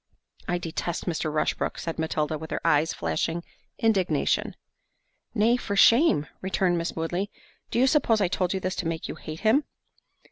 "I detest Mr. Rushbrook," said Matilda, with her eyes flashing indignation. "Nay, for shame," returned Miss Woodley; "do you suppose I told you this, to make you hate him?"